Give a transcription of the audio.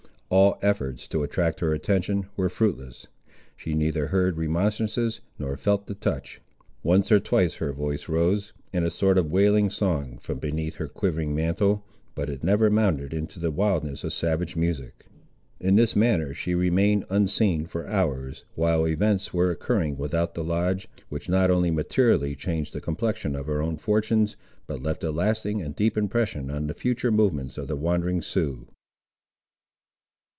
All efforts, to attract her attention, were fruitless. She neither heard remonstrances, nor felt the touch. Once or twice her voice rose, in a sort of wailing song, from beneath her quivering mantle, but it never mounted into the wildness of savage music. In this manner she remained unseen for hours, while events were occurring without the lodge, which not only materially changed the complexion of her own fortunes, but left a lasting and deep impression on the future movements of the wandering Sioux.